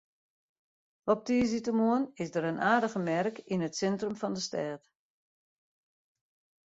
Op tiisdeitemoarn is der in aardige merk yn it sintrum fan de stêd.